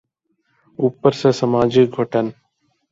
اوپر سے سماجی گھٹن۔